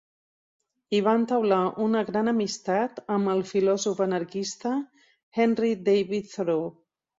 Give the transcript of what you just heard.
Hi va entaular gran amistat amb el filòsof anarquista Henry David Thoreau.